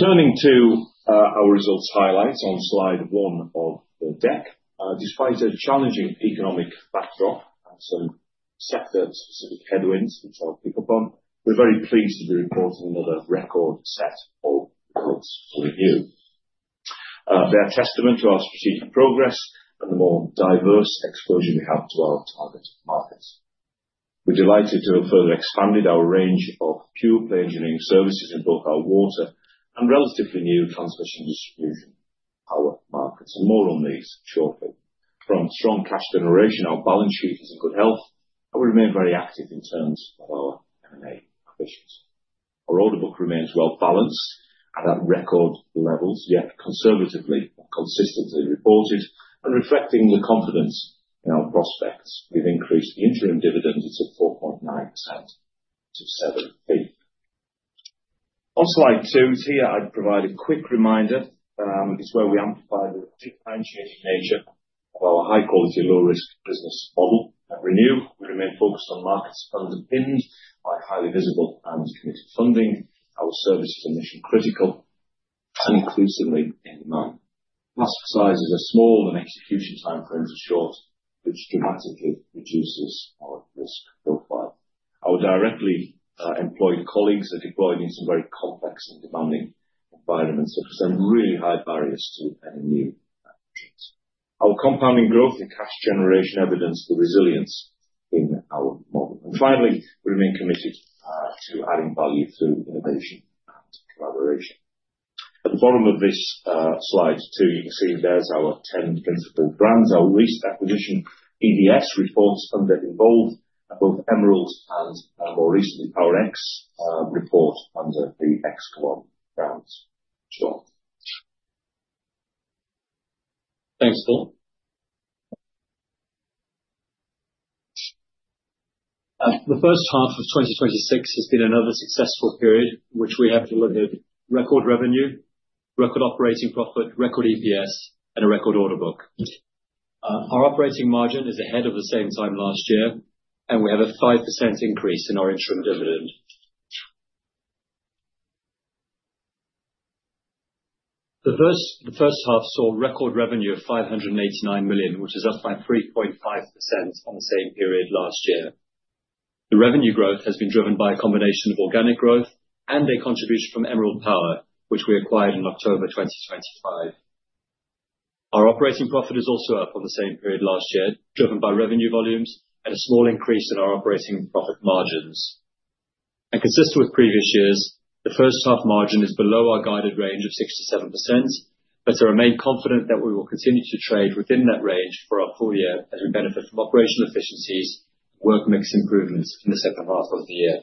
Turning to our results highlights on slide one of the deck. Despite a challenging economic backdrop and some sector specific headwinds, which I'll pick up on, we're very pleased to be reporting another record set of results for the year. They are testament to our strategic progress and the more diverse exposure we have to our target markets. We're delighted to have further expanded our range of pure play engineering services in both our water and relatively new T&D markets. More on these shortly. From strong cash generation, our balance sheet is in good health, and we remain very active in terms of our M&A acquisitions. Our order book remains well balanced and at record levels, yet conservatively but consistently reported and reflecting the confidence in our prospects. We've increased the interim dividend by 4.9% to 0.07. On slide two, here I provide a quick reminder, it's where we amplify the differentiated nature of our high-quality, low-risk business model. At Renew, we remain focused on markets funded and pinned by highly visible and committed funding. Our service is mission-critical and increasingly in demand. Customer sizes are small and execution timeframes are short, which dramatically reduces our risk profile. Our directly employed colleagues are deployed in some very complex and demanding environments, which present really high barriers to any new entrants. Our compounding growth and cash generation evidence the resilience in our model. Finally, we remain committed to adding value through innovation and collaboration. At the bottom of this slide two, you can see there's our 10 principal brands. Our recent acquisition, EDS reports under devolved both Emerald and more recently, PWR-X report under the Excalon brands. Sean. Thanks, Paul. The first half of 2026 has been another successful period in which we have delivered record revenue, record operating profit, record EPS and a record order book. Our operating margin is ahead of the same time last year, and we have a 5% increase in our interim dividend. The first half saw record revenue of 589 million, which is up by 3.5% on the same period last year. The revenue growth has been driven by a combination of organic growth and a contribution from Emerald Power, which we acquired in October 2025. Our operating profit is also up on the same period last year, driven by revenue volumes and a small increase in our operating profit margins. Consistent with previous years, the first half margin is below our guided range of 6%-7%. I remain confident that we will continue to trade within that range for our full year as we benefit from operational efficiencies and work mix improvements in the second half of the year.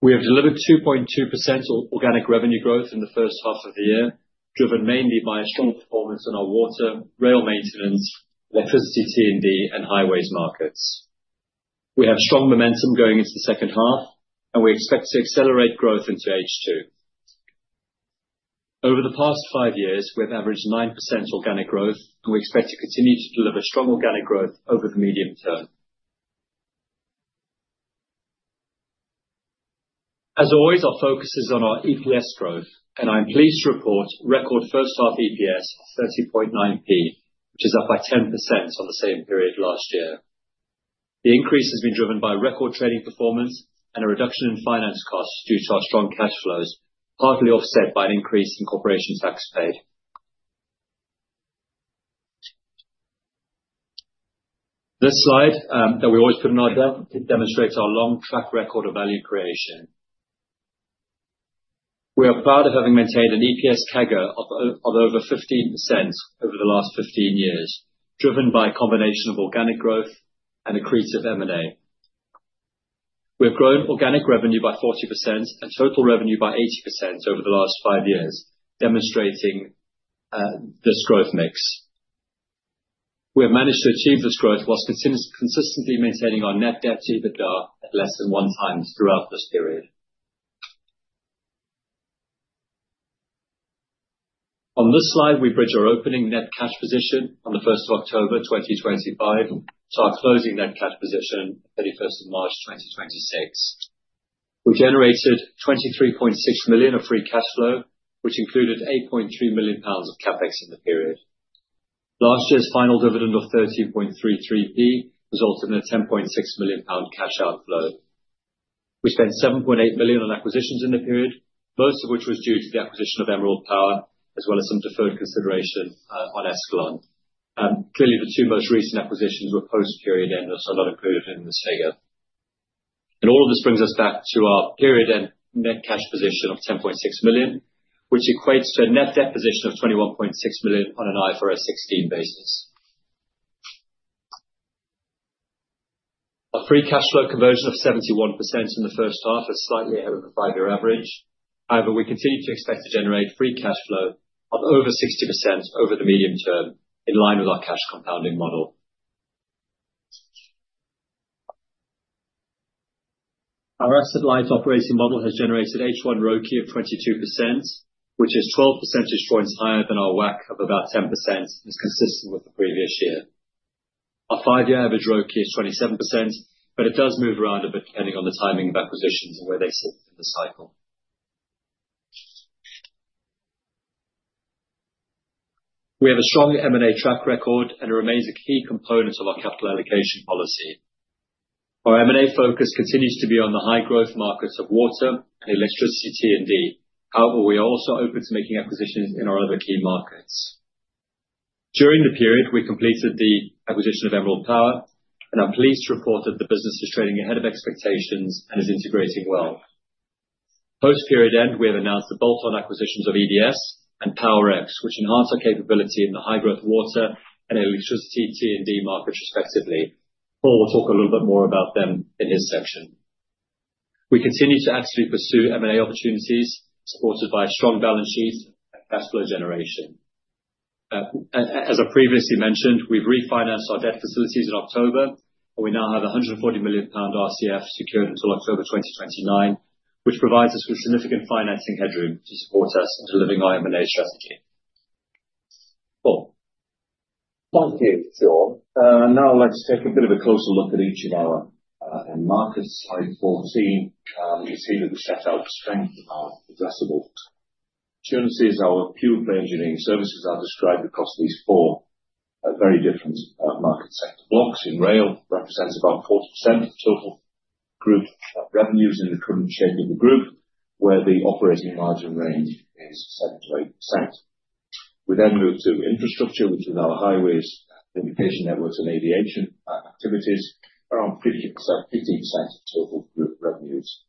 We have delivered 2.2% of organic revenue growth in the first half of the year, driven mainly by a strong performance in our water, rail maintenance, electricity T&D, and highways markets. We have strong momentum going into the second half and we expect to accelerate growth into H2. Over the past five years, we have averaged 9% organic growth, and we expect to continue to deliver strong organic growth over the medium term. As always, our focus is on our EPS growth. I'm pleased to report record first half EPS of 0.309P, which is up by 10% on the same period last year. The increase has been driven by record trading performance and a reduction in finance costs due to our strong cash flows, partly offset by an increase in corporation tax paid. This slide that we always put in our deck, it demonstrates our long track record of value creation. We are proud of having maintained an EPS CAGR of over 15% over the last 15 years, driven by a combination of organic growth and accretive M&A. We have grown organic revenue by 40% and total revenue by 80% over the last five years, demonstrating this growth mix. We have managed to achieve this growth whilst consistently maintaining our net debt to EBITDA at less than 1x throughout this period. On this slide, we bridge our opening net cash position on the October 1st, 2025 to our closing net cash position, March 31st, 2026. We generated 23.6 million of free cash flow, which included 8.3 million pounds of CapEx in the period. Last year's final dividend of 0.1333P resulted in a 10.6 million pound cash outflow. We spent 7.8 million on acquisitions in the period, most of which was due to the acquisition of Emerald Power, as well as some deferred consideration on Excalon. Clearly, the two most recent acquisitions were post period and are not included in this figure. All of this brings us back to our period-end net cash position of 10.6 million, which equates to a net debt position of 21.6 million on an IFRS16 basis. Our free cash flow conversion of 71% in the first half is slightly ahead of the five-year average. However, we continue to expect to generate free cash flow of over 60% over the medium term, in line with our cash compounding model. Our asset light operating model has generated H1 ROCE of 22%, which is 12 percentage points higher than our WACC of about 10%, is consistent with the previous year. Our five-year average ROCE is 27%, but it does move around a bit depending on the timing of acquisitions and where they sit in the cycle. We have a strong M&A track record, and it remains a key component of our capital allocation policy. Our M&A focus continues to be on the high growth markets of water and electricity T&D. However, we are also open to making acquisitions in our other key markets. During the period, we completed the acquisition of Emerald Power, and I'm pleased to report that the business is trading ahead of expectations and is integrating well. Post period end, we have announced the bolt-on acquisitions of EDS and PWR-X, which enhance our capability in the high growth water and electricity T&D markets respectively. Paul will talk a little bit more about them in his section. We continue to actively pursue M&A opportunities supported by a strong balance sheet and cash flow generation. As I previously mentioned, we've refinanced our debt facilities in October, and we now have 140 million pound RCF secured until October 2029, which provides us with significant financing headroom to support us in delivering our M&A strategy. Paul. Thank you, Sean. Now I'd like to take a bit of a closer look at each of our end markets. Slide 14, you can see that we set out the strength of our addressable opportunities. Our pure play engineering services are described across these four, very different, market sector blocks. In rail represents about 40% of total group revenues in the current shape of the group, where the operating margin range is 7%-8%. Move to infrastructure, which is our highways, communication networks, and aviation activities. Around 15% of total group revenues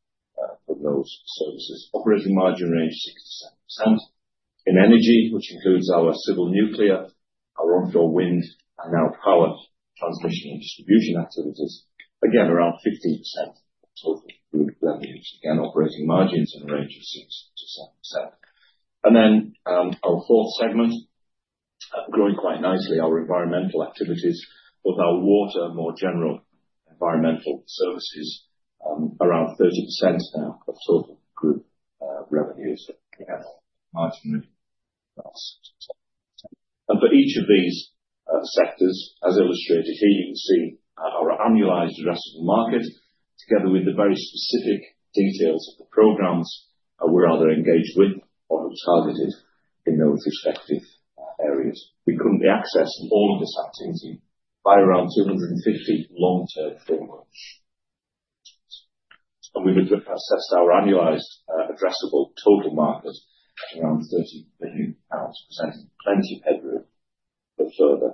from those services. Operating margin range 6%-7%. In energy, which includes our civil nuclear, our onshore wind, and our power transmission and distribution activities. Again, around 15% of total group revenues. Operating margins in the range of 6%-7%. Our fourth segment growing quite nicely, our environmental activities. Both our water and more general environmental services, around 13% now of total group revenues and again margin of 6%-7%. For each of these sectors, as illustrated here, you can see our annualized addressable market together with the very specific details of the programs that we're either engaged with or have targeted in those respective areas. We currently access all of this activity by around 250 long-term frameworks. We would assess our annualized addressable total market at around 30 billion pounds presenting plenty of headroom for further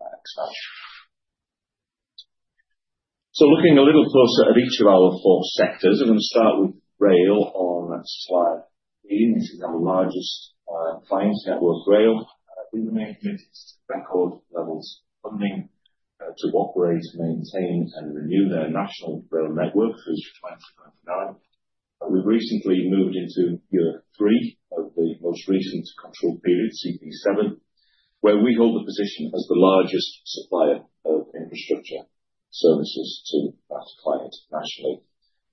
expansion. Looking a little closer at each of our four sectors, I'm gonna start with rail on slide 18. This is our largest client, Network Rail. With the main commitments to record levels of funding to operate, maintain, and renew their national rail network through to 2029. We've recently moved into year three of the most recent control period, CP7, where we hold a position as the largest supplier of infrastructure services to that client nationally.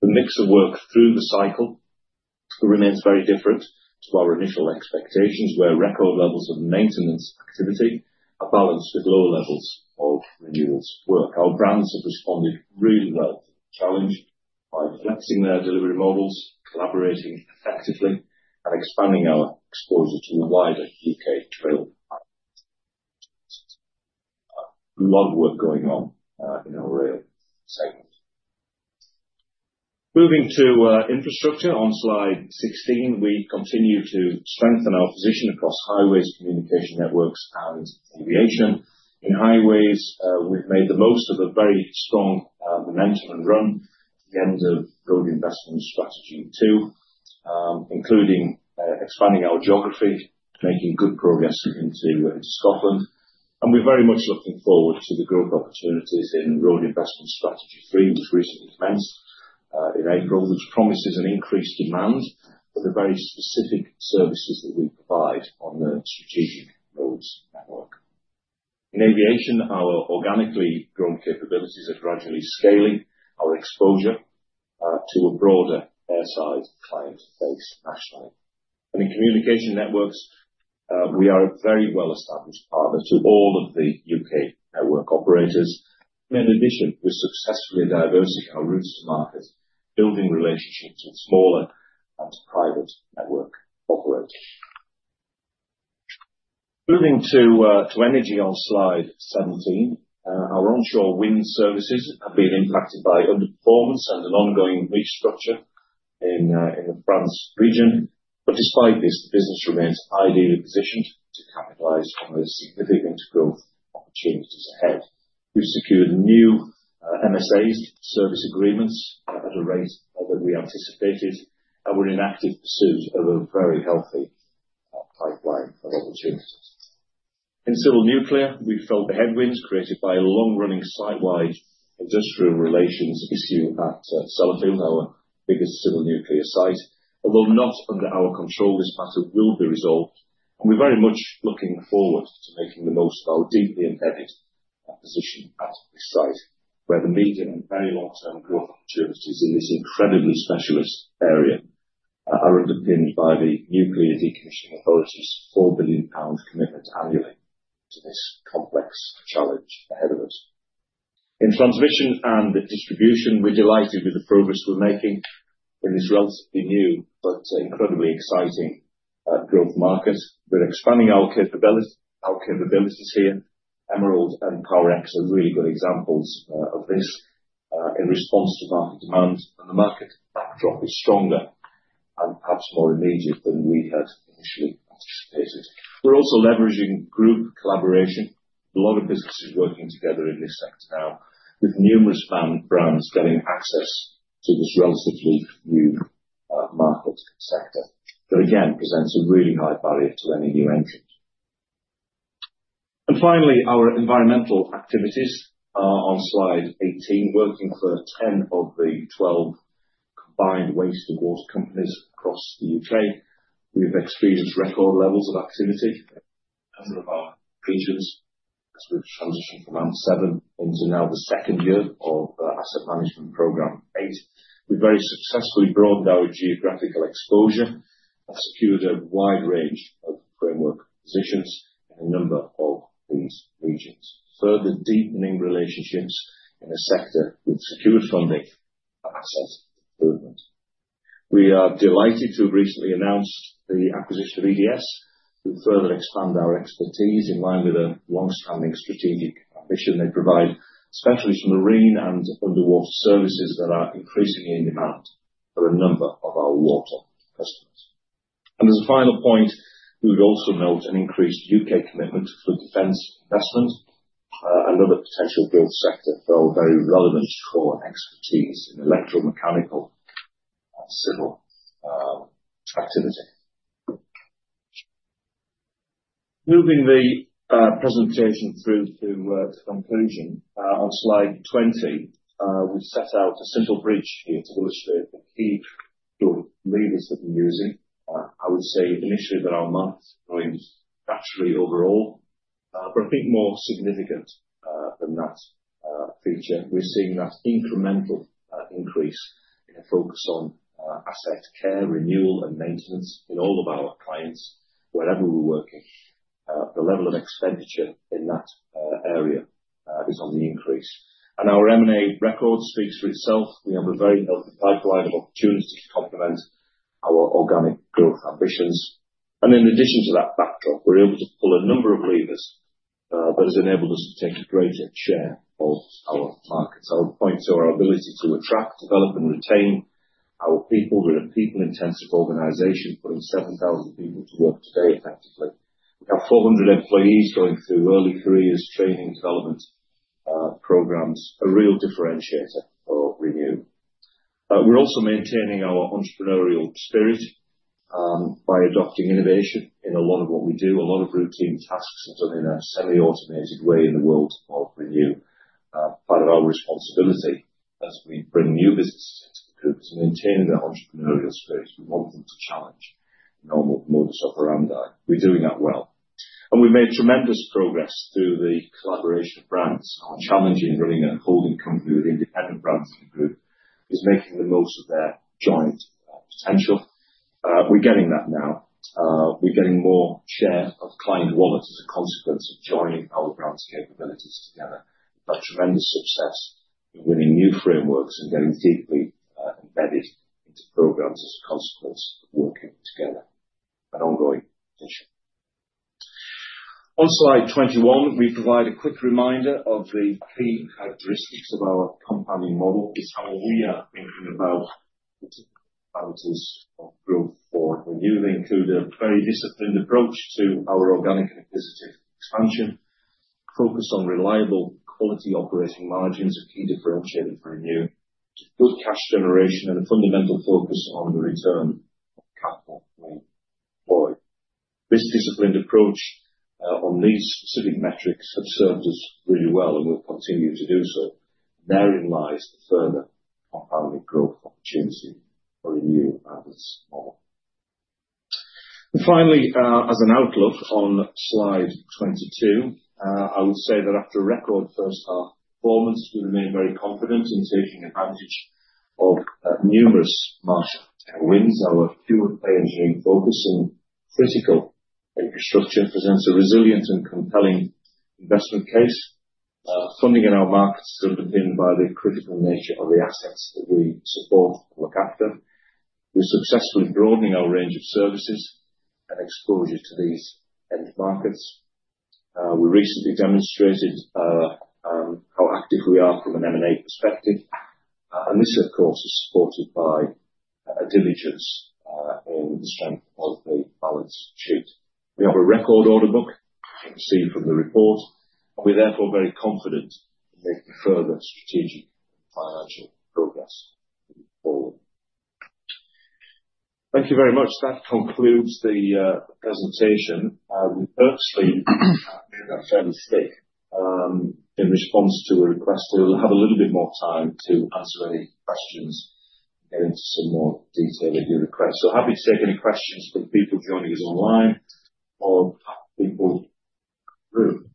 The mix of work through the cycle remains very different to our initial expectations, where record levels of maintenance activity are balanced with lower levels of renewals work. Our brands have responded really well to the challenge by flexing their delivery models, collaborating effectively, and expanding our exposure to the wider U.K. Rail market. A lot of work going on in our rail segment. Moving to Infrastructure on slide 16. We continue to strengthen our position across highways, communication networks, and aviation. In highways, we've made the most of a very strong momentum and run at the end of Road Investment Strategy two, including expanding our geography, making good progress into Scotland, and we're very much looking forward to the growth opportunities in Road Investment Strategy three, which recently commenced in April, which promises an increased demand for the very specific services that we provide on the Strategic Roads Network. In aviation, our organically grown capabilities are gradually scaling our exposure to a broader airside client base nationally. In communication networks, we are a very well-established partner to all of the U.K. network operators. In addition, we successfully diversify our routes to market, building relationships with smaller and private network operators. Moving to energy on slide 17. Our onshore wind services have been impacted by underperformance and an ongoing restructure in the France region. Despite this, the business remains ideally positioned to capitalize on the significant growth opportunities ahead. We've secured new MSAs, service agreements, at a rate that we anticipated, and we're in active pursuit of a very healthy pipeline of opportunities. In civil nuclear, we felt the headwinds created by a long-running site-wide industrial relations issue at Sellafield, our biggest civil nuclear site. Although not under our control, this matter will be resolved, and we're very much looking forward to making the most of our deeply embedded position at the site, where the medium- and very long-term growth opportunities in this incredibly specialist area are underpinned by the Nuclear Decommissioning Authority's 4 billion pound commitment annually to this complex challenge ahead of us. In transmission and distribution, we're delighted with the progress we're making in this relatively new but incredibly exciting growth market. We're expanding our capabilities here. Emerald and PWR-X are really good examples of this in response to market demand. The market backdrop is stronger and perhaps more immediate than we had initially anticipated. We're also leveraging group collaboration. A lot of businesses working together in this sector now, with numerous brands getting access to this relatively new market sector that again, presents a really high barrier to any new entrants. Finally, our environmental activities are on slide 18, working for 10 of the 12 combined waste and water companies across the U.K. We have experienced record levels of activity in a number of our regions as we've transitioned from AMP7 into now the second year of asset management program eight. We very successfully broadened our geographical exposure and secured a wide range of framework positions in a number of these regions, further deepening relationships in a sector with secured funding for asset improvement. We are delighted to have recently announced the acquisition of EDS to further expand our expertise in line with a long-standing strategic ambition they provide, specialist marine and underwater services that are increasingly in demand for a number of our water customers. As a final point, we would also note an increased U.K. commitment to defense investment, another potential growth sector, though very relevant to our expertise in electromechanical and civil activity. Moving the presentation through to conclusion, on slide 20, we've set out a simple bridge here to illustrate the key growth levers that we're using. I would say initially that our markets growing naturally overall, but I think more significant than that feature. We're seeing that incremental increase in a focus on asset care, renewal, and maintenance in all of our clients wherever we're working. The level of expenditure in that area is on the increase. Our M&A record speaks for itself. We have a very healthy pipeline of opportunities to complement our organic growth ambitions. In addition to that backdrop, we're able to pull a number of levers that has enabled us to take a greater share of our markets. I would point to our ability to attract, develop, and retain our people. We're a people-intensive organization, putting 7,000 people to work today effectively. We have 400 employees going through early-career training development programs, a real differentiator for Renew. We're also maintaining our entrepreneurial spirit by adopting innovation in a lot of what we do. A lot of routine tasks are done in a semi-automated way in the world of Renew. Part of our responsibility as we bring new businesses into the group is maintaining that entrepreneurial spirit. We want them to challenge normal modus operandi. We're doing that well. We've made tremendous progress through the collaboration of brands. Our challenge in running a holding company with independent brands in the group is making the most of their joint potential. We're getting that now. We're getting more share of client wallet as a consequence of joining our brands' capabilities together. We've had tremendous success in winning new frameworks and getting deeply embedded into programs as a consequence of working together. An ongoing addition. On slide 21, we provide a quick reminder of the key characteristics of our company model. It's how we are thinking about the balances of growth for Renew. They include a very disciplined approach to our organic and acquisitive expansion, focus on reliable quality operating margins, a key differentiator for Renew, good cash generation, and a fundamental focus on the return of capital employed. This disciplined approach on these specific metrics have served us really well, and will continue to do so. Therein lies the further compounding growth opportunity for Renew as a model. Finally, as an outlook on slide 22, I would say that after a record first half performance, we remain very confident in taking advantage of numerous market wins. Our pure play engineering focus on critical infrastructure presents a resilient and compelling investment case. Funding in our markets is underpinned by the critical nature of the assets that we support and look after. We're successfully broadening our range of services and exposure to these end markets. We recently demonstrated how active we are from an M&A perspective. This, of course, is supported by a diligence in the strength of the balance sheet. We have a record order book, as you can see from the report. We're therefore very confident in making further strategic and financial progress moving forward. Thank you very much. That concludes the presentation. We purposely made that fairly slick in response to a request that we'll have a little bit more time to answer any questions and get into some more detail at your request. Happy to take any questions from people joining us online or people in the room.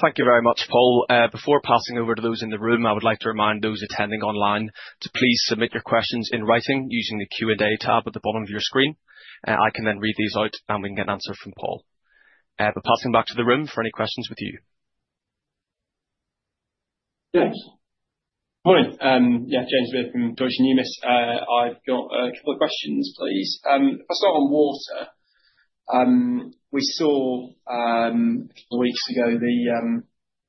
Thank you very much, Paul. Before passing over to those in the room, I would like to remind those attending online to please submit your questions in writing using the Q&A tab at the bottom of your screen. I can then read these out, and we can get an answer from Paul. Passing back to the room for any questions with you. James. Morning. Yeah, James Beard from Deutsche Numis. I've got a couple of questions, please. First one on water. We saw a couple of weeks ago the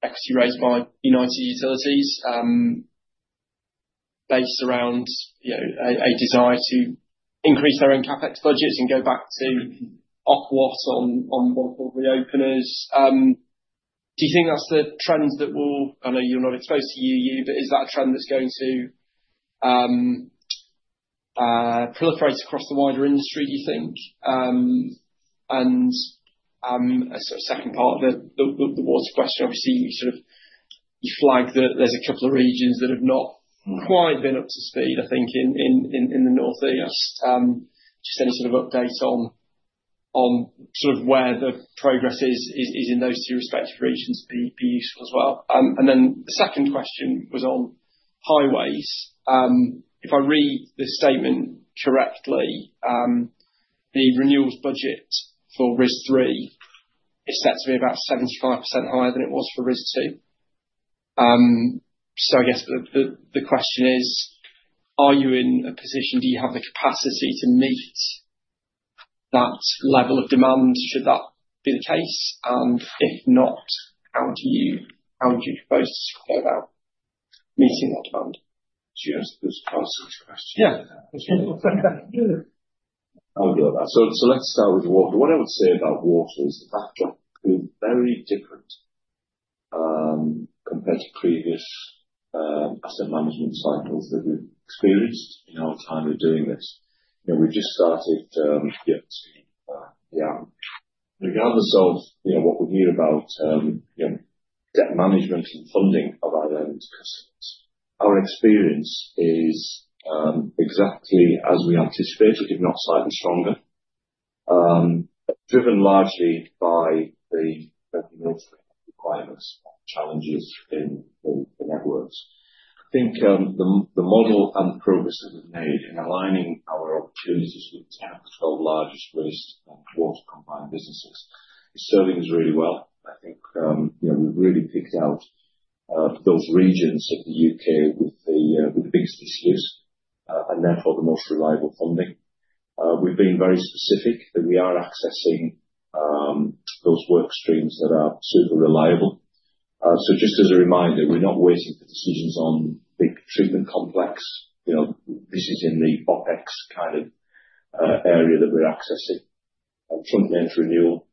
equity raised by United Utilities, based around a desire to increase their own CapEx budgets and go back to up on multiple reopeners. Do you think that's the trend? I know you're not exposed to UU, but is that a trend that's going to proliferate across the wider industry, do you think? A second part of the water question, obviously you flagged that there's a couple of regions that have not quite been up to speed, I think in the North East. Just any sort of update on sort of where the progress is in those two respective regions would be useful as well. The second question was on highways. If I read the statement correctly, the renewals budget for RIS3 is set to be about 75% higher than it was for RIS2. I guess the question is, are you in a position, do you have the capacity to meet that level of demand, should that be the case? And if not, how would you propose to go about meeting that demand? Do you want to answer those questions? Yeah. Let's start with water. What I would say about water is the backdrop is very different compared to previous asset management cycles that we've experienced in our time of doing this. You know, we've just started year two. Yeah. Regardless of, you know, what we hear about, you know, debt management and funding of our various customers, our experience is exactly as we anticipated, if not slightly stronger, driven largely by the regulatory requirements and challenges in the networks. I think the model and the progress that we've made in aligning our opportunities with 10 of the 12 largest waste water combined businesses is serving us really well. I think, you know, we've really picked out those regions of the U.K. with the biggest issues and therefore the most reliable funding. We've been very specific that we are accessing those work streams that are super reliable. Just as a reminder, we're not waiting for decisions on big treatment complex. You know, this is in the OpEx kind of area that we're accessing. trunk main renewal,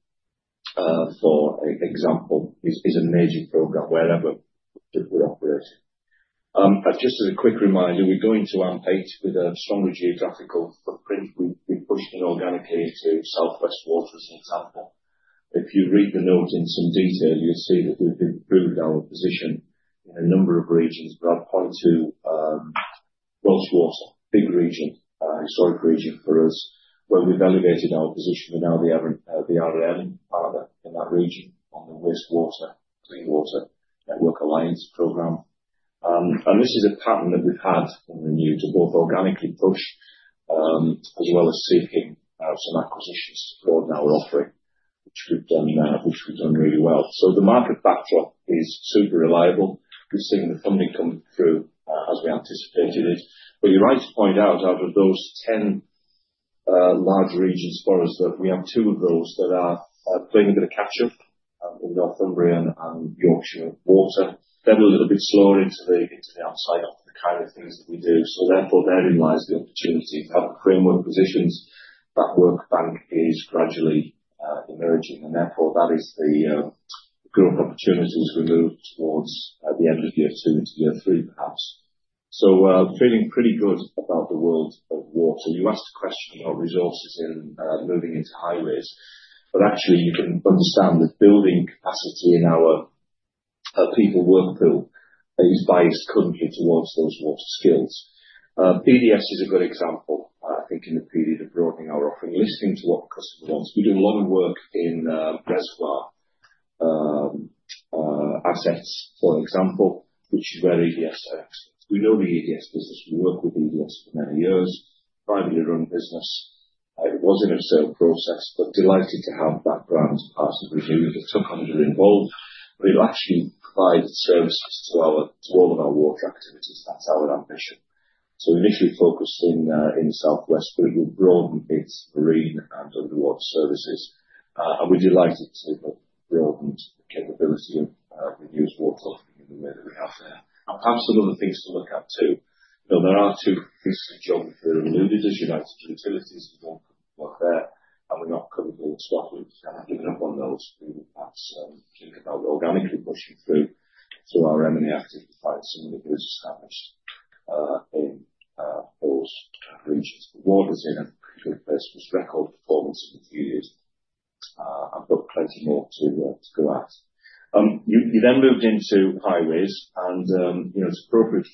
for example, is a major program wherever we operate. Just as a quick reminder, we go into AMP8 with a stronger geographical footprint. We've pushed inorganically to South West Water, as an example. If you read the note in some detail, you'll see that we've improved our position in a number of regions, but I'd point to Welsh Water, big region, historic region for us, where we've elevated our position. We're now the R&M partner in that region on the Waste Water, Clean Water Network Alliance program. This is a pattern that we've had when we move to both organically push, as well as seeking out some acquisition support in our offering, which we've done, which we've done really well. The market backdrop is super reliable. We've seen the funding come through as we anticipated it. You're right to point out of those 10 large regions for us that we have two of those that are playing a bit of catch up in Northumbrian and Yorkshire Water. They were a little bit slower getting to the outside of the kind of things that we do. Therefore, therein lies the opportunity to have the framework positions. That work bank is gradually emerging, therefore that is the group opportunities we move towards at the end of year two into year three, perhaps. We're feeling pretty good about the world of water. You asked a question about resources in moving into highways, actually you can understand that building capacity in our people work pool is biased currently towards those water skills. EDS is a good example, I think in the period of broadening our offering, listening to what the customer wants. We do a lot of work in reservoir assets, for example, which is where EDS are experts. We know the EDS business. We work with EDS for many years, privately run business. It was in a sale process, delighted to have that brand as part of Renew. There's some 100 involved. We'll actually provide services to all of our water activities. That's our ambition. Initially focused in Southwest, it will broaden its green and underwater services. We're delighted to have broadened the capability of Renew's water in the way that we have there. Perhaps some other things to look at too. You know, there are two pieces of geography that are alluded to are United Utilities. We don't work there, we're not currently in Scotland. Kind of giving up on those. We will perhaps think about organically pushing through. Our M&A activity finds some of the groups established in those regions. Water's in a pretty good place. It's record performance in a few years. We've got plenty more to go at. You then moved into highways and, you know, it's appropriate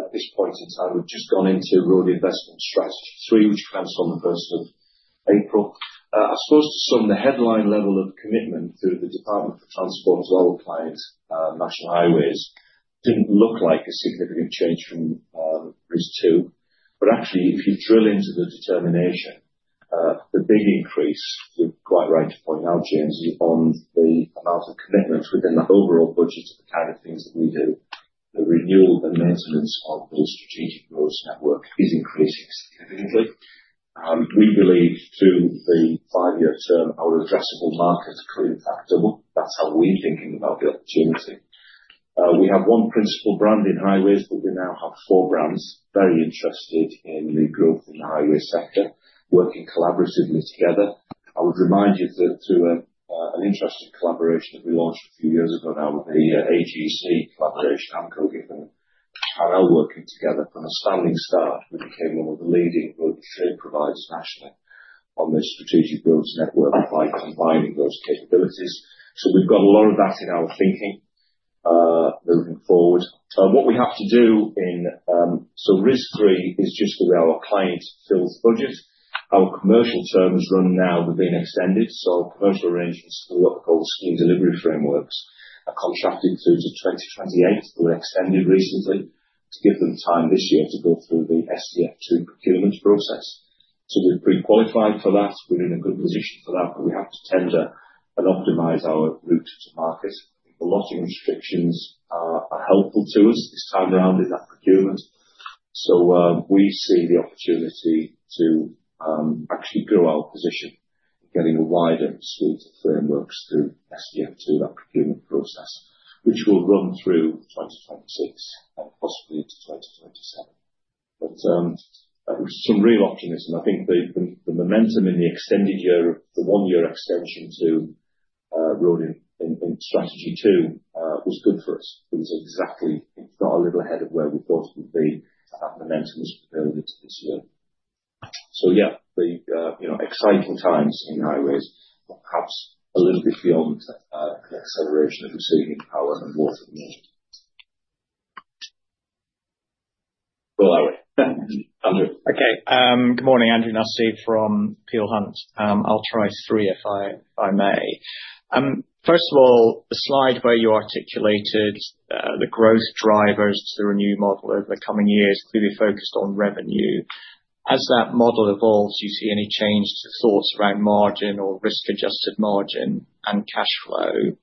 at this point in time, we've just gone into Road Investment Strategy three, which transforms the April 1st. I suppose to some, the headline level of commitment through the Department for Transport as well applied, National Highways didn't look like a significant change from RIS2. Actually, if you drill into the determination, the big increase, you're quite right to point out, James, on the amount of commitment within the overall budget of the kind of things that we do, the renewal and maintenance of the strategic roads network is increasing significantly. We believe through the five-year term, our addressable market is could in fact double. That's how we're thinking about the opportunity. We have one principal brand in highways, but we now have four brands very interested in the growth in the highway sector, working collaboratively together. I would remind you that through an interesting collaboration that we launched a few years ago now with the AGC collaboration, AmcoGiffen and Carnell working together from a standing start, we became one of the leading road trade providers nationally on this Strategic Road Network by combining those capabilities. We've got a lot of that in our thinking, moving forward. What we have to do, RIS3 is just the way our client fills budget. Our commercial terms run now. They've been extended, our commercial arrangements through what we call scheme delivery frameworks are contracted through to 2028. They were extended recently to give them time this year to go through the SDF2 procurement process. We've pre-qualified for that. We're in a good position for that. We have to tender and optimize our route to market. A lot of restrictions are helpful to us this time around in that procurement. We see the opportunity to actually grow our position, getting a wider suite of frameworks through SDF2, that procurement process, which will run through 2026 and possibly into 2027. There's some real optimism. I think the momentum in the extended year, the one-year extension to road in Strategy two, was good for us. It got a little ahead of where we thought it would be to have momentum as we go into this year. Yeah, the, you know, exciting times in highways, but perhaps a little bit beyond, the acceleration that we're seeing in power and water at the moment. Andrew. Okay. Good morning, Andrew Nussey from Peel Hunt. I'll try three if I may. First of all, the slide where you articulated the growth drivers to the Renew model over the coming years clearly focused on revenue. As that model evolves, do you see any change to thoughts around margin or risk-adjusted margin and cash flow?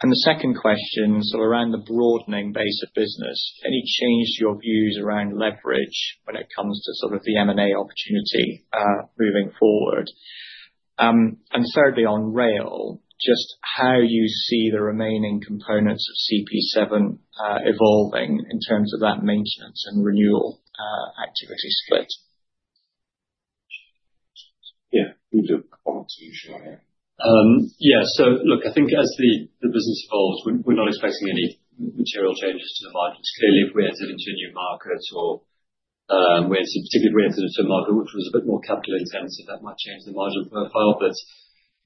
The second question, around the broadening base of business, any change to your views around leverage when it comes to sort of the M&A opportunity moving forward? Thirdly, on rail, just how you see the remaining components of CP7 evolving in terms of that maintenance and renewal activity split. Yeah. Good. I'll let you Sean answer it. Yeah. Look, I think as the business evolves, we're not expecting any material changes to the margins. Clearly, if we entered into a new market or, particularly if we entered into a market which was a bit more capital intensive, that might change the margin profile.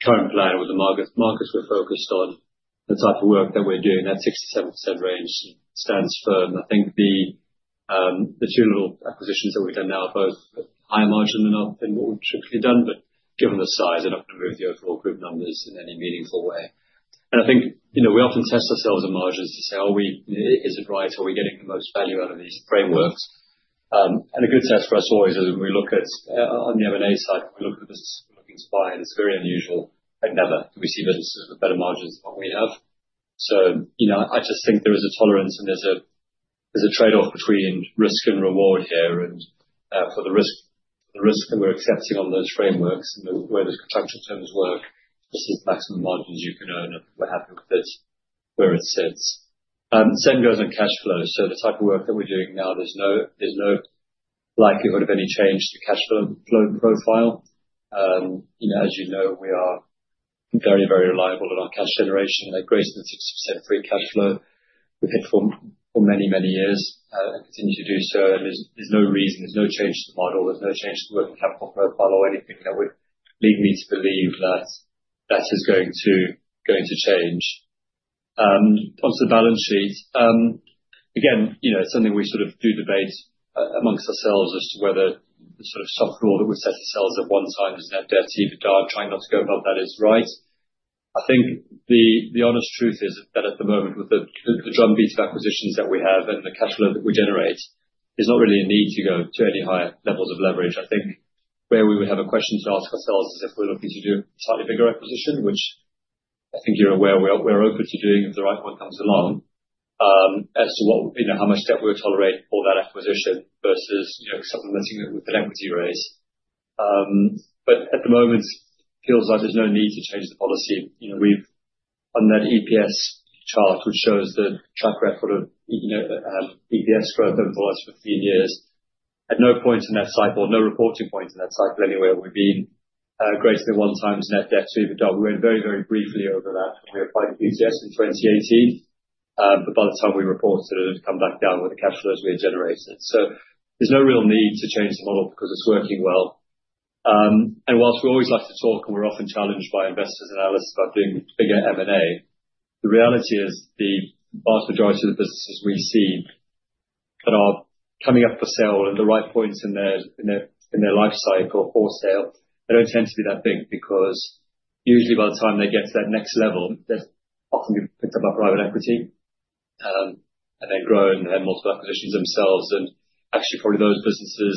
Current plan with the markets we're focused on, the type of work that we're doing, that 67% range stands firm. I think the two little acquisitions that we've done now are both high margin and are been what we've typically done, but given the size, they're not gonna move the overall group numbers in any meaningful way. I think, you know, we often test ourselves on margins to say, is it right? Are we getting the most value out of these frameworks? A good test for us always is when we look at on the M&A side, we look at this, we're looking to buy, and it's very unusual, like never do we see businesses with better margins than what we have. You know, I just think there is a tolerance and there's a trade-off between risk and reward here. For the risk that we're accepting on those frameworks and the way those contractual terms work, this is the maximum margins you can earn, and we're happy with it where it sits. Same goes on cash flows. The type of work that we're doing now, there's no likelihood of any change to cash flow profile. You know, as you know, we are very reliable in our cash generation. We make greater than 60% free cash flow. We've hit for many years and continue to do so. There's no reason, there's no change to the model, there's no change to the working capital profile or anything that would lead me to believe that that is going to change. Onto the balance sheet. Again, you know, it's something we sort of do debate amongst ourselves as to whether the sort of soft limit that we've set to ourselves at one time is now debt to EBITDA. I'm trying not to go above that is right. I think the honest truth is that at the moment, with the drumbeat of acquisitions that we have and the cash flow that we generate, there's not really a need to go to any higher levels of leverage. I think where we would have a question to ask ourselves is if we're looking to do a slightly bigger acquisition, which I think you're aware we are, we're open to doing if the right one comes along, as to what, you know, how much debt we would tolerate for that acquisition versus, you know, supplementing it with an equity raise. At the moment, it feels like there's no need to change the policy. You know, we've on that EPS chart, which shows the track record of EPS growth over the last 15 years, at no point in that cycle, at no reporting point in that cycle anyway, have we been greater than 1x net debt to EBITDA. We went very, very briefly over that when we acquired QTS in 2018. By the time we reported it had come back down with the cash flows we had generated. There's no real need to change the model because it's working well. Whilst we always like to talk and we're often challenged by investors and analysts about doing bigger M&A, the reality is the vast majority of the businesses we see that are coming up for sale at the right points in their life cycle for sale. They don't tend to be that big because usually by the time they get to that next level, they've often been picked up by private equity, and they grow and they have multiple acquisitions themselves. Actually, probably those businesses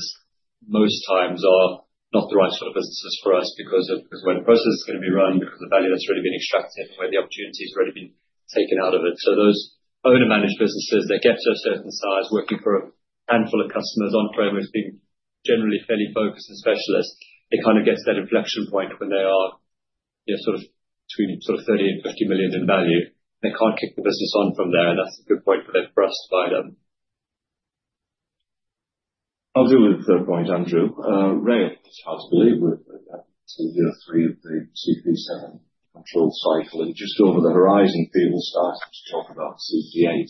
most times are not the right sort of businesses for us because when a process is gonna be run, because the value that's already been extracted and where the opportunity has already been taken out of it. Those owner-managed businesses that get to a certain size, working for a handful of customers on frameworks, being generally fairly focused and specialist, it kind of gets to that inflection point when they are, you know, sort of between sort of 30 million and 50 million in value. They can't kick the business on from there, and that's a good point for them for us to buy them. I'll deal with the third point, Andrew. Rail, it's hard to believe we're at year three of the CP7 control cycle. Just over the horizon, people start to talk about CP8.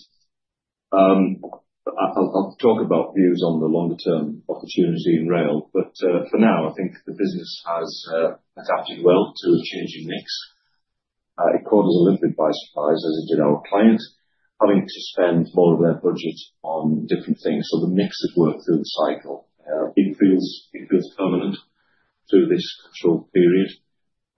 I'll talk about views on the longer term opportunity in rail, but for now, I think the business has adapted well to the changing mix. It caught us a little bit by surprise, as it did our clients, having to spend more of their budget on different things. The mix has worked through the cycle. It feels permanent through this control period.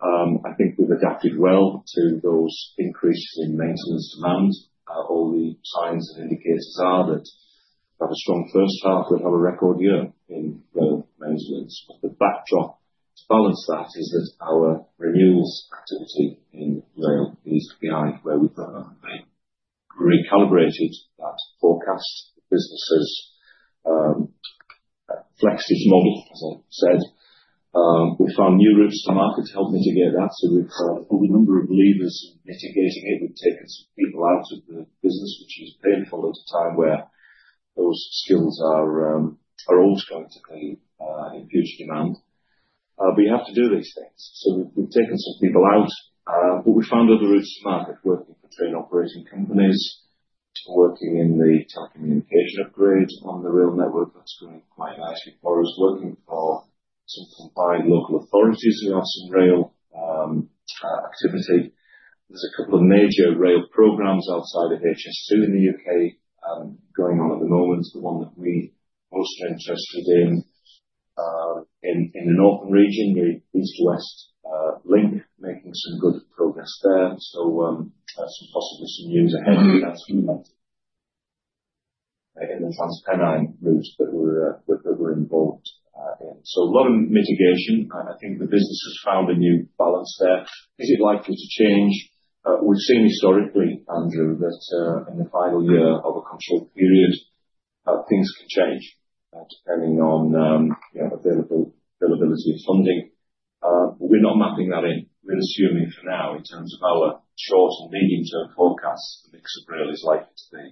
I think we've adapted well to those increases in maintenance demand. All the signs and indicators are that we have a strong first half. We'll have a record year in rail maintenance. The backdrop to balance that is that our renewals activity in rail is behind where we thought it would be. We recalibrated that forecast. The business has flexed it model, as I said. We found new routes to market to help mitigate that. We've pulled a number of levers in mitigating it. We've taken some people out of the business, which is painful at a time where those skills are also going to be in huge demand. You have to do these things. We've taken some people out, but we found other routes to market working for train operating companies, working in the telecommunication upgrade on the rail network. That's going quite nicely for us. Working for some combined local authorities who have some rail activity. There's a couple of major rail programs outside of HS2 in the U.K. going on at the moment. The one that we're most interested in the northern region, the East-West Link, making some good progress there. There's possibly some news ahead of that scheme in the Transpennine Route that we're involved in. A lot of mitigation, and I think the business has found a new balance there. Is it likely to change? We've seen historically, Andrew, that in the final year of a Control Period, things can change depending on, you know, availability of funding. But we're not mapping that in. We're assuming for now, in terms of our short- and medium-term forecasts, the mix of rail is likely to stay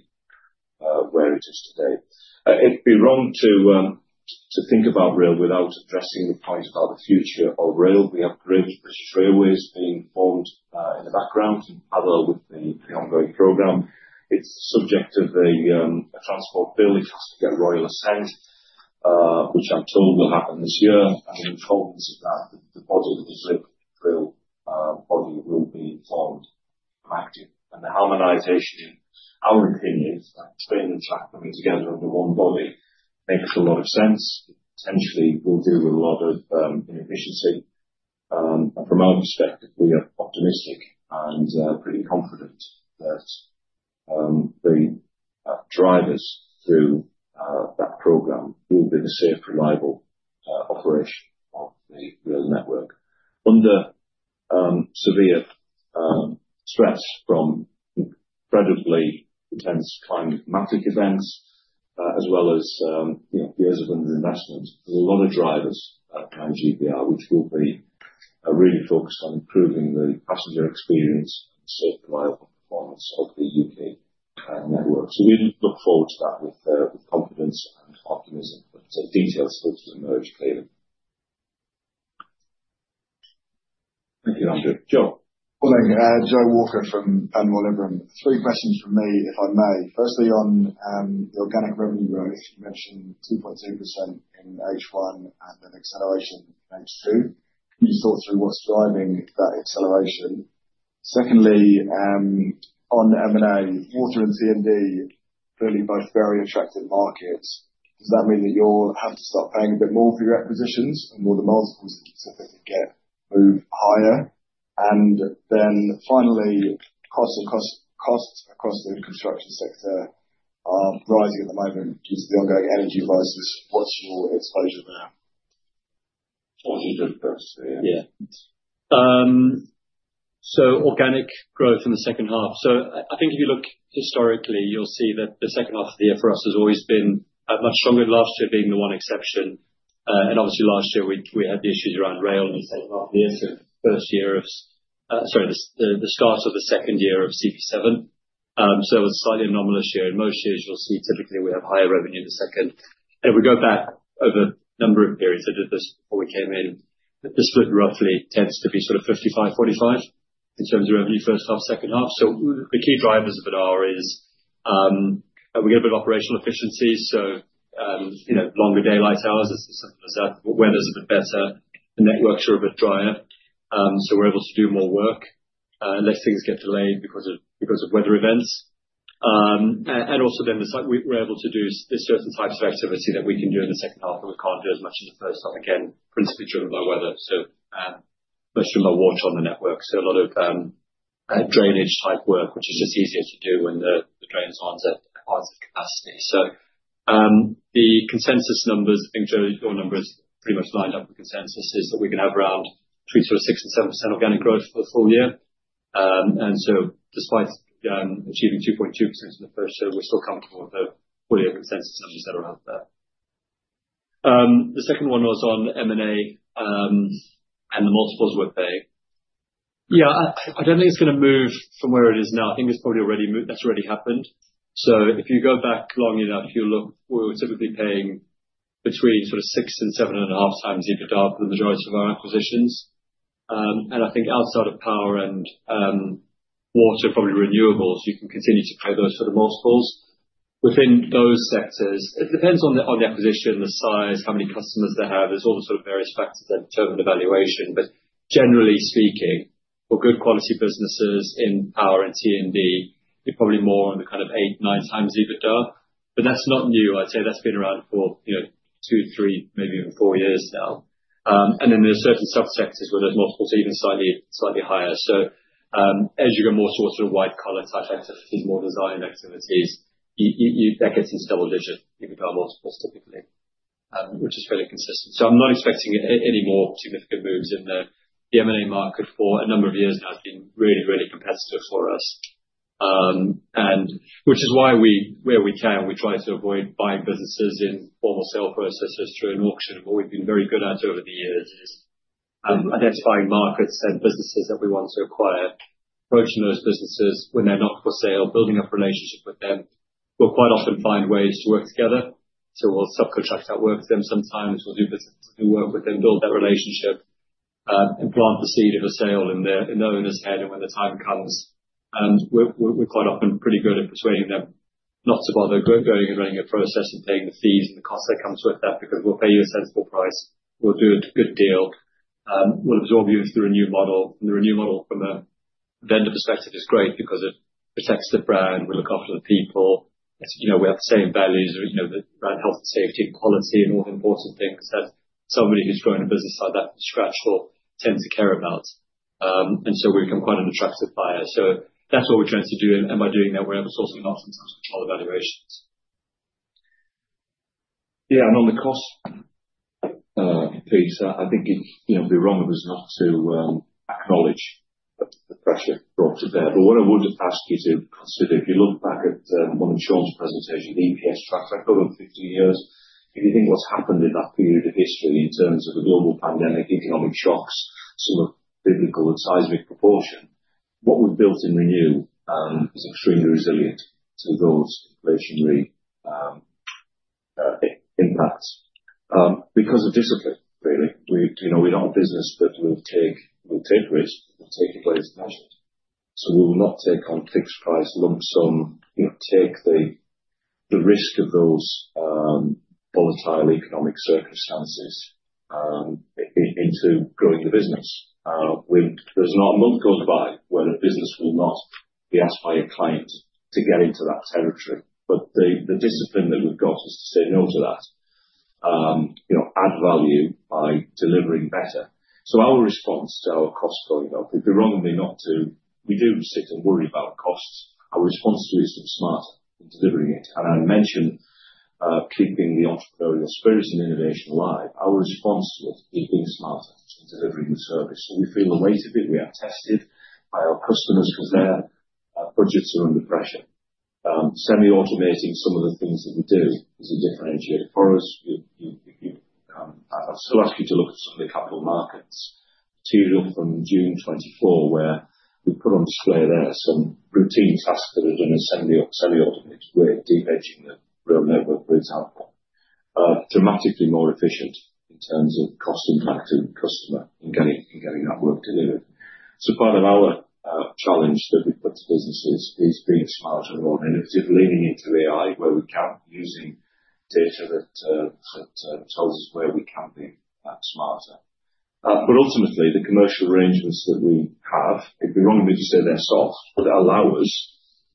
where it is today. It'd be wrong to think about rail without addressing the point about the future of rail. We have Great British Railways being formed in the background in parallel with the ongoing program. It's the subject of a transport bill. It has to get royal assent, which I'm told will happen this year. In the fullness of that, the body of the rail body will be formed active. The harmonization, in our opinion, train and track coming together under one body makes a lot of sense. It potentially will deal with a lot of inefficiency. From our perspective, we are optimistic and pretty confident that the drivers to that program will be the safe, reliable operation of the rail network under severe stress from incredibly intense climatic events, as well as years of underinvestment. There's a lot of drivers at GBR which will be really focused on improving the passenger experience and safe, reliable performance of the U.K. network. We look forward to that with confidence and optimism. As the details start to emerge, clearly. Thank you, Andrew. Joe? Morning. Joseph Walker from Panmure Gordon. Three questions from me, if I may. Firstly, on the organic revenue growth, you mentioned 2.2% in H1 and an acceleration in H2. Can you just talk through what's driving that acceleration? Secondly, on M&A, water and T&D, clearly both very attractive markets. Does that mean that you'll have to start paying a bit more for your acquisitions and will the multiples continue to move higher? Finally, costs across the construction sector are rising at the moment due to the ongoing energy crisis. What's your exposure there? I'll let Sean go first there. Yeah. Organic growth in the second half. I think if you look historically, you'll see that the second half of the year for us has always been much stronger, last year being the one exception. Obviously last year we had the issues around rail in the second half of the year. First year of, sorry, the start of the second year of CP7. It was a slightly anomalous year. In most years, you'll see typically we have higher revenue in the second. If we go back over a number of periods, I did this before we came in. The split roughly tends to be sort of 55%, 45% in terms of revenue, first half, second half. The key drivers of it are is, we get a bit of operational efficiency. You know, longer daylight hours is as simple as that. Weather's a bit better. The networks are a bit drier, so we're able to do more work. Unless things get delayed because of weather events. The site we're able to do certain types of activity that we can do in the second half that we can't do as much as the first half. Again, principally driven by weather. Most of them are water on the network, so a lot of drainage type work, which is just easier to do when the drains aren't at capacity. The consensus numbers, I think Joe, your numbers pretty much lined up with consensus, is that we can have around between sort of 6% and 7% organic growth for the full year. Despite achieving 2.2% in the first year, we're still comfortable with the full year consensus numbers that are out there. The second one was on M&A, and the multiples we're paying. I don't think it's gonna move from where it is now. I think it's probably already moved. That's already happened. If you go back long enough, if you look, we're typically paying between sort of 6x and 7.5x EBITDA for the majority of our acquisitions. And I think outside of power and water, probably renewables, you can continue to pay those sort of multiples. Within those sectors, it depends on the, on the acquisition, the size, how many customers they have. There's all sort of various factors that determine the valuation. Generally speaking, for good quality businesses in power and T&D, you're probably more on the kind of 8x, 9x EBITDA. That's not new. I'd say that's been around for, you know, two, three, maybe even four years now. There are certain subsectors where there's multiples even slightly higher. As you go more towards the white collar type activities, more design-led activities, you that gets into double-digit EBITDA multiples typically, which is fairly consistent. I'm not expecting any more significant moves in the M&A market for a number of years now has been really, really competitive for us. Which is why we where we can, we try to avoid buying businesses in formal sale processes through an auction. What we've been very good at over the years is identifying markets and businesses that we want to acquire, approaching those businesses when they're not for sale, building up relationship with them. We'll quite often find ways to work together. We'll subcontract out work with them sometimes. We'll do business, do work with them, build that relationship, and plant the seed of a sale in their, in the owner's head and when the time comes. We're quite often pretty good at persuading them not to bother going and running a process and paying the fees and the cost that comes with that because we'll pay you a sensible price. We'll do a good deal. We'll absorb you through a Renew model. The Renew model from a vendor perspective is great because it protects the brand. We look after the people. It's, you know, we have the same values, you know, around health and safety and quality and all the important things as somebody who's grown a business like that from scratch will tend to care about. We become quite an attractive buyer. That's what we're trying to do. By doing that, we're sourcing not some in terms of evaluations. Yeah. On the cost piece, I think it'd, you know, be wrong of us not to acknowledge the pressure brought to bear. What I would ask you to consider, if you look back at one of Sean's presentations, the EPS tracks back over 15 years, if you think what's happened in that period of history in terms of a global pandemic, economic shocks, some of biblical and seismic proportion, what we've built in Renew is extremely resilient to those inflationary impacts because of discipline really. We, you know, we're not a business that will take risk, will take a place measured. We will not take on fixed price lump sum, you know, take the risk of those volatile economic circumstances into growing the business. There's not a month goes by where the business will not be asked by a client to get into that territory. The discipline that we've got is to say no to that. You know, add value by delivering better. Our response to our costs going up, it'd be wrong of me not to We do sit and worry about our costs. Our response to it is being smart in delivering it. I mentioned keeping the entrepreneurial spirit and innovation alive. Our response to it is being smarter to delivering the service. We feel the weight of it. We are tested by our customers 'cause their budgets are under pressure. Semi-automating some of the things that we do is a differentiator for us. I'd still ask you to look at some of the capital markets material from June 24, where we put on display there some routine tasks that have been assembled or semi-automated. We're de-vegetating the rail network, for example. Dramatically more efficient in terms of cost impact to the customer and getting that work delivered. Part of our challenge that we put to businesses is being smarter and more innovative, leaning into AI where we can, using data that tells us where we can be smarter. Ultimately, the commercial arrangements that we have, it'd be wrong of me to say they're soft, but they allow us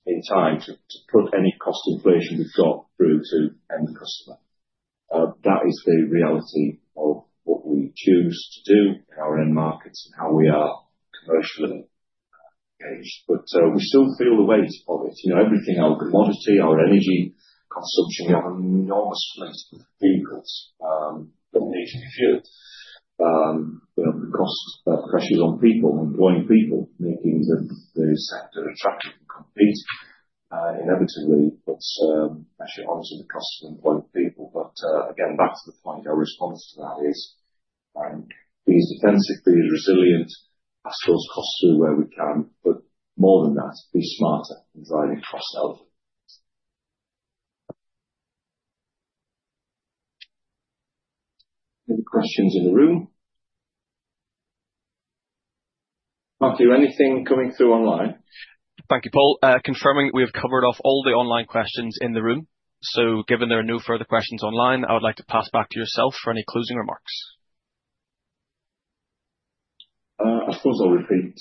in time to put any cost inflation we've got through to end customer. That is the reality of what we choose to do in our end markets and how we are commercially engaged. We still feel the weight of it. You know, everything, our commodity, our energy consumption. We have an enormous fleet of vehicles that need to be fueled. You know, the cost pressures on people, employing people, making the sector attractive and compete, inevitably puts pressure obviously the cost of employing people. Again, back to the point, our response to that is be as defensive, be as resilient, pass those costs through where we can, but more than that, be smarter in driving costs out. Any questions in the room? Matthew, anything coming through online? Thank you, Paul. Confirming we have covered off all the online questions in the room. Given there are no further questions online, I would like to pass back to yourself for any closing remarks. I suppose I'll repeat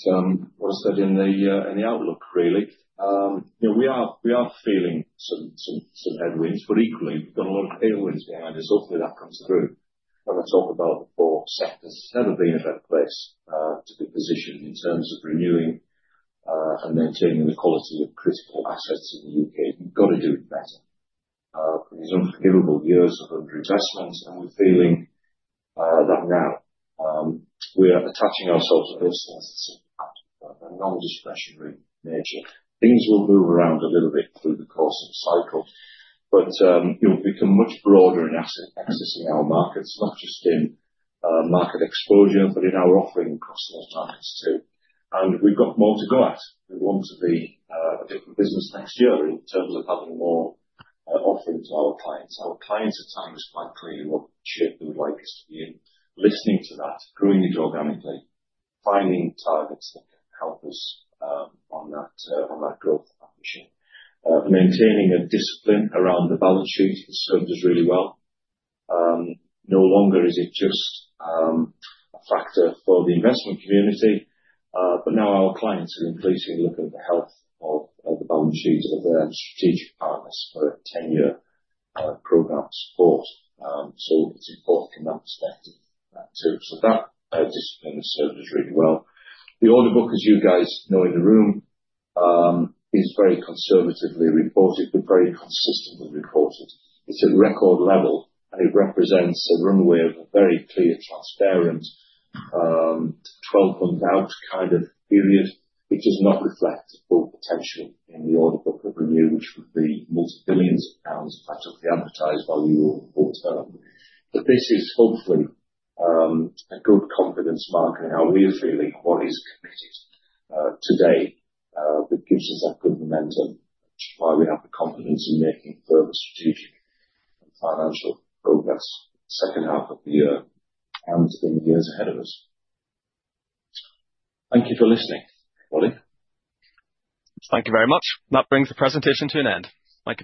what I said in the outlook, really. You know, we are feeling some headwinds, equally we've got a lot of tailwinds behind us. Hopefully, that comes through. When I talk about four sectors, never been a better place to be positioned in terms of renewing and maintaining the quality of critical assets in the U.K. We've got to do better. For these unforgivable years of under investments, we're feeling that now, we are attaching ourselves to businesses that are non-discretionary nature. Things will move around a little bit through the course of the cycle, you know, we've become much broader in asset accessing our markets, not just in market exposure, but in our offering across those clients too. We've got more to go at. We want to be a different business next year in terms of having more offerings to our clients. Our clients are telling us quite clearly what shape they would like us to be in. Listening to that, growing it organically, finding targets that can help us on that on that growth function. Maintaining a discipline around the balance sheet has served us really well. No longer is it just a factor for the investment community, but now our clients are increasingly looking at the health of the balance sheets of their strategic partners for tenure program support. It's important from that perspective too. That discipline has served us really well. The order book, as you guys know in the room, is very conservatively reported but very consistently reported. It's a record level, and it represents a runway of a very clear, transparent, 12-month out kind of period, which does not reflect the full potential in the order book that Renew, which would be multi-billions of GBP out of the advertised value of the full term. This is hopefully a good confidence marker in how we are feeling and what is committed today. That gives us that good momentum, which is why we have the confidence in making further strategic and financial progress second half of the year and in years ahead of us. Thank you for listening. Thank you very much. That brings the presentation to an end. Thank you.